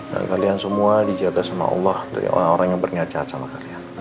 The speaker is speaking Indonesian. dan kalian semua dijaga sama allah dari orang orang yang berniat niat sama kalian